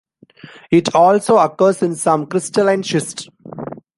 It also occurs in some crystalline schist.